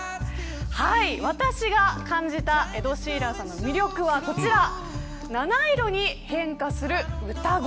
私が感じたエド・シーランさんの魅力はこちら七色に変化する歌声。